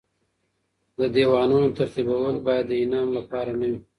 د دیوانونو ترتیبول باید د انعام لپاره نه وي.